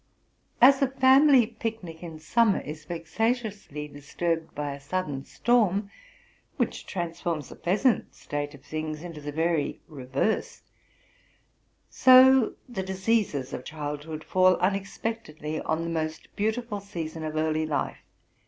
31 As a family picnic in summer is yexatiously disturbed by a sudden storm, which transforms a pleasant state of things into the very reverse: so the diseases of childhood fall unex pectedly on the most beautiful season of early life.